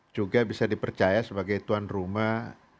juga bisa dipercaya sebagai tuan rumah